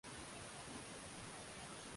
kumi na mbili wanaume kushikamana na schnozzes